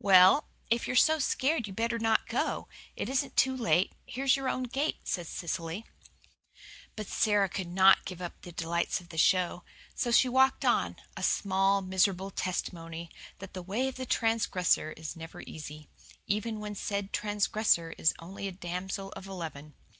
"Well, if you're so scared you'd better not go. It isn't too late. Here's your own gate," said Cecily. But Sara could not give up the delights of the show. So she walked on, a small, miserable testimony that the way of the transgressor is never easy, even when said transgressor is only a damsel of eleven.